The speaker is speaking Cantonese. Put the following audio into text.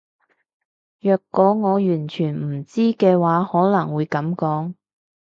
若果我完全唔知嘅話可能會噉講